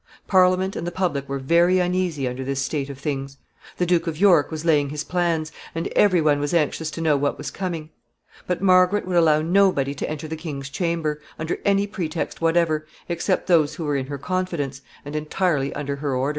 Parliament and the public were very uneasy under this state of things. The Duke of York was laying his plans, and every one was anxious to know what was coming. But Margaret would allow nobody to enter the king's chamber, under any pretext whatever, except those who were in her confidence, and entirely under her orders.